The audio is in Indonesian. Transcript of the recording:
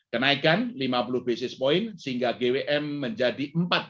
kenaikan lima puluh basis point sehingga gwm menjadi empat tiga